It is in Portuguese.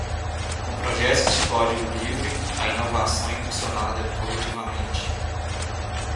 Com projetos de código livre, a inovação é impulsionada coletivamente.